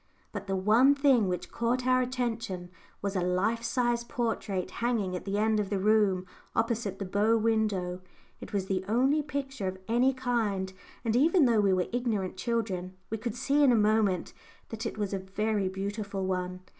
But the one thing which caught our attention was a life size portrait hanging at the end of the room opposite the bow window. It was the only picture of any kind, and even though we were ignorant children, we could see in a moment that it was a very beautiful one.